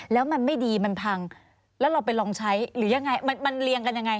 แล้วมันไม่ดีมันพังแล้วเราไปลองใช้หรือยังไงมันเรียงกันยังไง